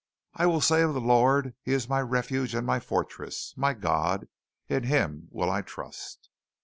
"I will say of the Lord, He is my refuge and my fortress; my God; in him will I trust.